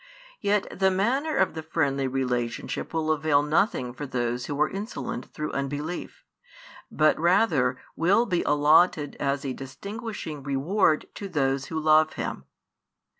Yet the manner of the friendly relationship will avail nothing for those who are insolent through |85 unbelief, but rather will be allotted as a distinguishing reward to those who love Him.